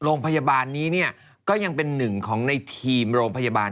โรงพยาบาลนี้เนี่ยก็ยังเป็นหนึ่งของในทีมโรงพยาบาล